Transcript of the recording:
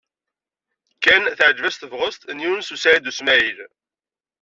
Ken teɛjeb-as tebɣest n Yunes u Saɛid u Smaɛil.